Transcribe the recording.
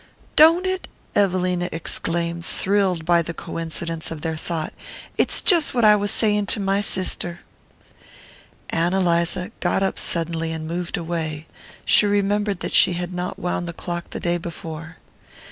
"Don't it?" Evelina exclaimed, thrilled by the coincidence of their thought. "It's just what I was saying to my sister." Ann Eliza got up suddenly and moved away; she remembered that she had not wound the clock the day before.